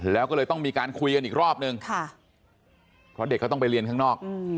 แล้วก็เลยต้องมีการคุยกันอีกรอบนึงเพราะเด็กเขาต้องไปเรียนข้างนอก